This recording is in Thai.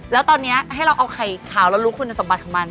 แล้วตอนนี้ให้เราเอาไข่ขาวแล้วรู้คุณสมบัติของมัน